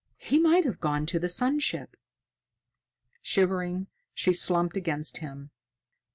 "He might have gone to the sun ship." Shivering, she slumped against him.